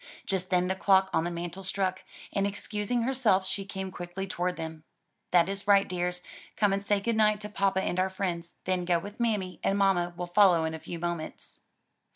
Just then the clock on the mantel struck, and excusing herself she came quickly toward them. "That is right, dears; come and say good night to papa and our friends; then go with mammy and mamma will follow in a few moments."